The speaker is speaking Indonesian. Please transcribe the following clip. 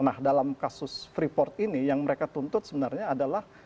nah dalam kasus freeport ini yang mereka tuntut sebenarnya adalah